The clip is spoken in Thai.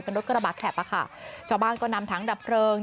เป็นรถกระบะแข็บอ่ะค่ะชาวบ้านก็นำถังดับเพลิง